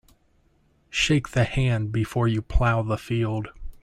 Shake the hand before you plough the field.